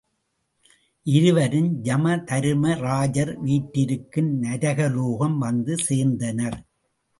இருவரும் யமதரும்ராஜர் வீற்றிருக்கும் நரகலோகம் வந்து சேர்ந்தனர்.